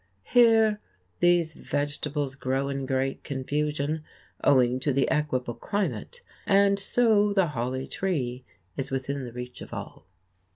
Here these vegetables grow in great confusion, owing to the equable climate, and so the holly tree is within the reach of all.